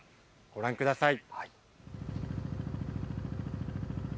ご覧ください。